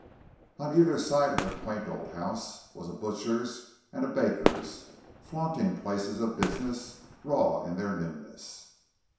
On either side of the quaint old house was a butcher's and a baker's, flaunting places of business, raw in their newness.